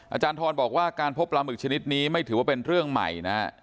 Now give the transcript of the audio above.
อาจารย์ทรบอกว่าการพบปลาหมึกชนิดนี้ไม่ถือว่าเป็นเรื่องใหม่นะฮะ